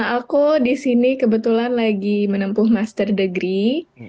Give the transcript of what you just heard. aku di sini kebetulan lagi menempuh master degree